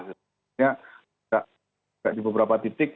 tidak di beberapa titik